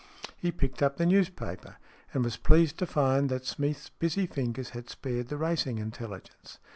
He picked up the newspaper, and was pleased to find that Smeath's busy fingers had spared the racing intelligence.